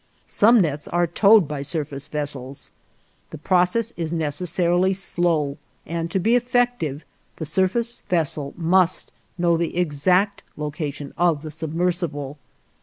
Some nets are towed by surface vessels. The process is necessarily slow, and to be effective the surface vessel must know the exact location of the submersible.